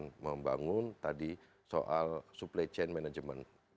kita harus bangun tadi soal supply chain management